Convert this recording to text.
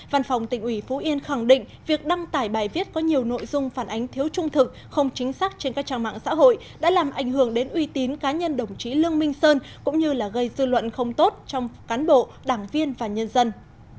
văn phòng tỉnh ủy phú yên khẳng định việc đăng tải bài viết có nhiều nội dung phản ánh thiếu trung thực không chính xác trên các trang mạng xã hội đã làm ảnh hưởng đến uy tín cá nhân đồng chí lương minh sơn cũng như gây dư luận không tốt trong cán bộ đảng viên và nhân dân